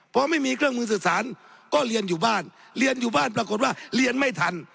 พอไม่มีเครื่องมือสื่อสารก็เรียนอยู่บ้านเรียนอยู่บ้านปรากฏว่าเรียนไม่ทัน